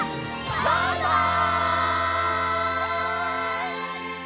バイバイ！